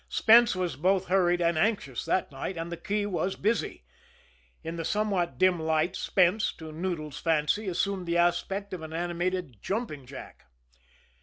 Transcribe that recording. Spence was both hurried and anxious that night and the key was busy. In the somewhat dim light, Spence, to Noodles' fancy, assumed the aspect of an animated jumping jack.